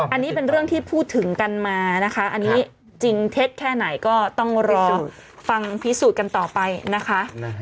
อันนี้เป็นเรื่องที่พูดถึงกันมานะคะอันนี้จริงเท็จแค่ไหนก็ต้องรอฟังพิสูจน์กันต่อไปนะคะ